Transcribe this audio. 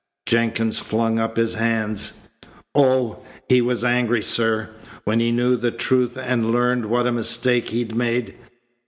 Jenkins flung up his hands. "Oh, he was angry, sir, when he knew the truth and learned what a mistake he'd made.